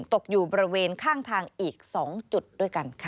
ตกอยู่บริเวณข้างทางอีก๒จุดด้วยกันค่ะ